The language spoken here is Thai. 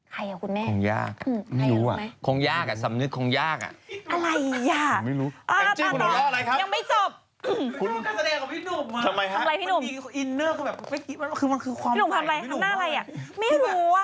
ใครอ่ะคุณแม่ใครรู้ไหมคงยากไม่รู้อ่ะ